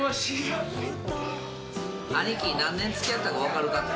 兄貴、何年付き合ったか分かるか。